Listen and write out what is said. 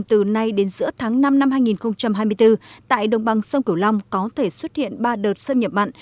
từ nay đến giữa tháng năm năm hai nghìn hai mươi bốn tại đồng bằng sông cửu long có thể xuất hiện ba đợt xâm nhập mặn